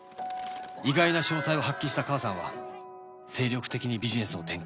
意外な商才を発揮した母さんは精力的にビジネスを展開